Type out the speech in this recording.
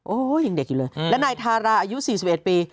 โอ้โหยังเด็กอยู่เลยและนายทาราอายุ๔๑ปี